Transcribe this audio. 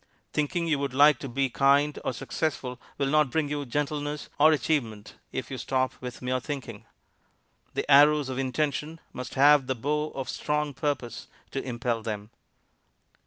Thinking you would like to be kind or successful will not bring you gentleness or achievement if you stop with mere thinking. The arrows of intention must have the bow of strong purpose to impel them.